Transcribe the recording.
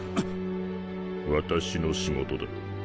私の仕事だ。